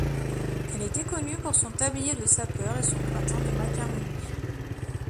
Elle était connue pour son tablier de sapeur et son gratin de macaronis.